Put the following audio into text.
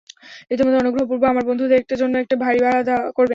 ইতোমধ্যে অনুগ্রহপূর্বক আমার বন্ধুদের জন্য একটি বাড়ী ভাড়া করবেন।